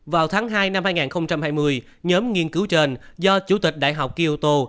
vào tháng hai năm hai nghìn hai mươi nhóm nghiên cứu trên do chủ tịch đại học kioto